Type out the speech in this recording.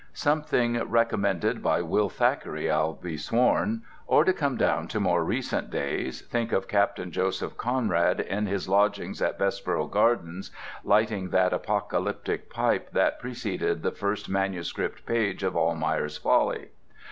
Something recommended by Will Thackeray, I'll be sworn. Or, to come down to more recent days, think of Captain Joseph Conrad at his lodgings in Bessborough Gardens, lighting that apocalyptic pipe that preceded the first manuscript page of "Almayer's Folly."